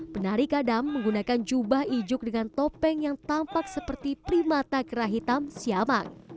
penari kadam menggunakan jubah ijuk dengan topeng yang tampak seperti primata kerah hitam siamang